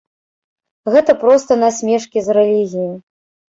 Гэта проста насмешкі з рэлігіі.